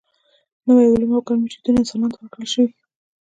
نوي علوم او ګڼ میتودونه انسانانو ته ورکړل شوي.